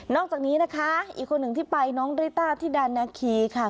อกจากนี้นะคะอีกคนหนึ่งที่ไปน้องริต้าธิดานาคีค่ะ